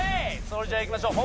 それじゃあいきましょう。